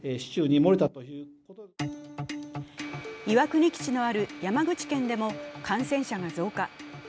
岩国基地のある山口県でも感染者が増加。